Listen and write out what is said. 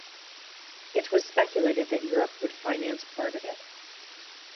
It was speculated that Europe would finance part of it.